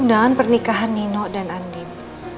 undangan pernikahan nino dan andin